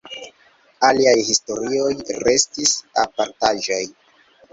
Aliaj historioj restis apartaĵoj.